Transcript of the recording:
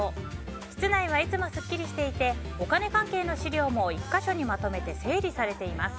室内は、いつもすっきりしていてお金関係の資料も１か所にまとめて整理されています。